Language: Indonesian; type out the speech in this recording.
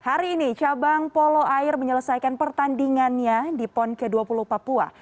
hari ini cabang polo air menyelesaikan pertandingannya di pon ke dua puluh papua